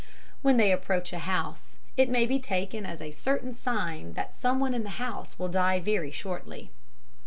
When they approach a house, it may be taken as a certain sign someone in that house will die very shortly.